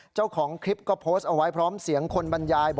เจ้าของคลิปก็โพสต์เอาไว้พร้อมเสียงคนบรรยาย